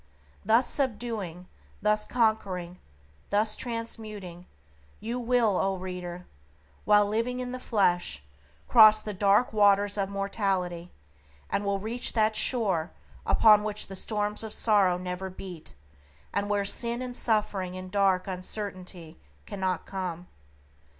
Thus subduing, thus conquering, thus transmuting, you will, O reader! while living in the flesh, cross the dark waters of mortality, and will reach that Shore upon which the storms of sorrow never beat, and where sin and suffering and dark uncertainty cannot come.